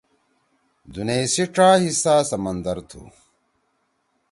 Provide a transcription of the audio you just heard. دُنئی سی ڇا حصّہ سمندر تُھو۔